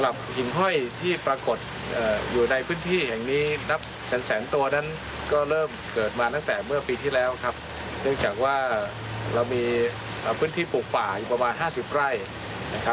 พ่นทากเฉพาะถูกธรรมทั้งในมีความอุดมสมบูรณ์มาก